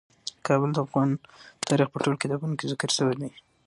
کابل د افغان تاریخ په ټولو کتابونو کې ذکر شوی دی.